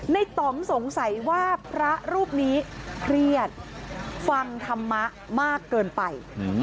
ต่องสงสัยว่าพระรูปนี้เครียดฟังธรรมะมากเกินไป